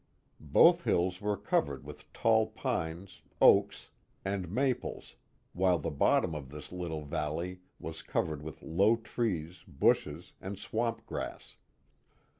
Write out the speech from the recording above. Both hills were covered with tall pines, oaks, and maples while the bottom of this little valley was covered with low trees, bushes, and swamp grass.